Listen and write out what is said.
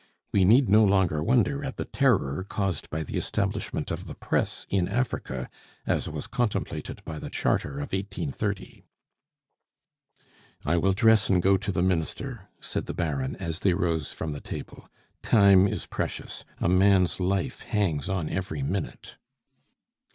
We need no longer wonder at the terror caused by the establishment of the Press in Africa, as was contemplated by the Charter of 1830." "I will dress and go to the Minister," said the Baron, as they rose from table. "Time is precious; a man's life hangs on every minute."